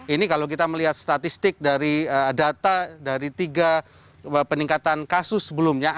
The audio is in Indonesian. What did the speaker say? ini kalau kita melihat statistik dari data dari tiga peningkatan kasus sebelumnya